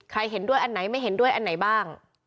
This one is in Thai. เห็นด้วยอันไหนไม่เห็นด้วยอันไหนบ้าง